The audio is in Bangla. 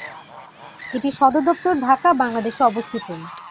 এটির সদরদপ্তর ঢাকা, বাংলাদেশ এ অবস্থিত।